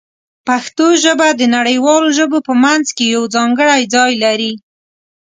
پښتو ژبه د نړیوالو ژبو په منځ کې یو ځانګړی ځای لري.